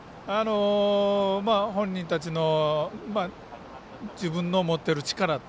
本人たちの自分の持っている力。